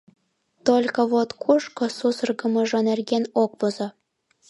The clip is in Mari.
Только вот кушко сусыргымыжо нерген ок возо.